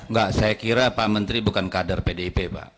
enggak saya kira pak menteri bukan kader pdip pak